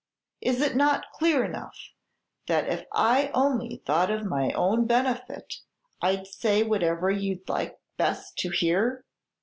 Is it not clear enough that if I only thought of my own benefit, I 'd say whatever you'd like best to hear?